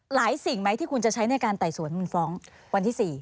สิ่งไหมที่คุณจะใช้ในการไต่สวนคุณฟ้องวันที่๔